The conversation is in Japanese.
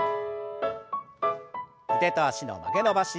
腕と脚の曲げ伸ばし。